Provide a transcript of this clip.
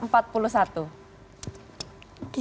ini itu salah satu contoh